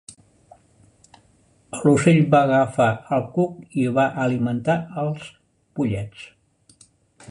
L'ocell va agafar el cuc i va alimentar els pollets.